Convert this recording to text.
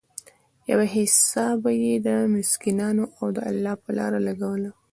يوه حيصه به ئي د مسکينانو او د الله په لاره لګوله